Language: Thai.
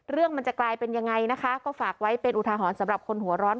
เรื่องมันจะกลายเป็นยังไงนะคะก็ฝากไว้เป็นอุทาหรณ์สำหรับคนหัวร้อน